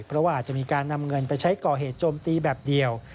เพราะว่าอาจจะมีการนำเงินไปใช้ก่อเหตุโจมตีแบบเดียว